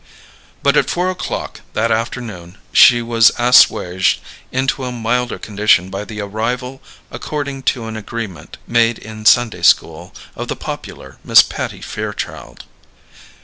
But at four o'clock, that afternoon, she was assuaged into a milder condition by the arrival, according to an agreement made in Sunday school, of the popular Miss Patty Fairchild.